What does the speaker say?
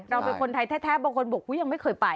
เราเป็นคนไทยแท้บางคนบอกยังไม่เคยไป